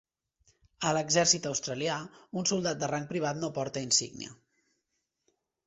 A l'exèrcit australià, un soldat de rang privat no porta insígnia.